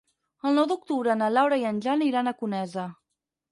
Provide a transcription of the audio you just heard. El nou d'octubre na Laura i en Jan iran a Conesa.